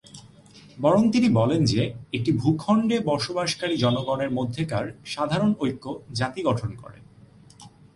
বরং তিনি বলেন যে একটি ভূখন্ডে বসবাসকারী জনগণের মধ্যেকার সাধারণ ঐক্য জাতি গঠন করে।